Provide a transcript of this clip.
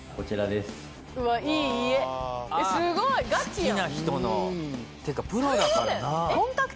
あっ好きな人の。ってかプロだからな。